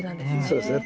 そうですね。